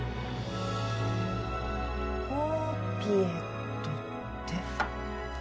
・ポーピエットって？